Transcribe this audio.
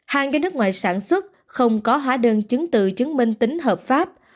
hàng do nước ngoài sản xuất không có hóa đơn chứng từ chứng minh tính hợp pháp